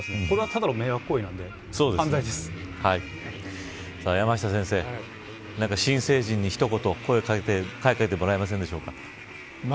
これはただの迷惑行為なんで山下先生、何か新成人に一言声をかけてもらえませんでしょうか。